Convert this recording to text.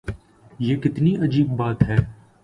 یہ کتنی عجیب بات ہے۔